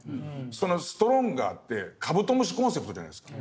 そのストロンガーってカブトムシコンセプトじゃないですか。